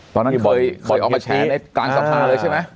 ตอนนั้นเคยออกมาแฉในกลางสภาเลยใช่ไหม